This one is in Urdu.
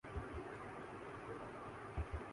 ان کی سوانح حیات، خود ان کے قلم سے مرتب موجود ہے۔